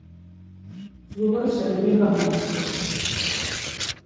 Zuğaşen mi gamaxtu?